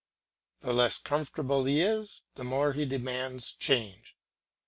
The less comfortable he is, the more he demands change.